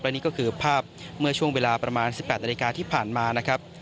นี่ก็คือภาพเมื่อช่วงเวลาประมาณ๑๘นาฬิกาที่ผ่านมานะครับ